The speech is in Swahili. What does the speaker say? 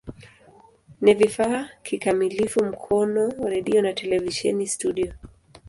Ni vifaa kikamilifu Mkono redio na televisheni studio.